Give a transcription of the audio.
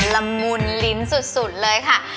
ละมุนลิ้นสุดเลยค่ะ